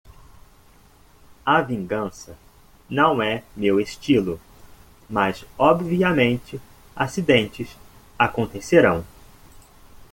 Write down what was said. A vingança não é meu estilo?, mas obviamente acidentes acontecerão.